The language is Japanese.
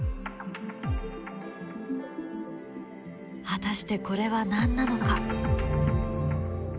果たしてこれは何なのか？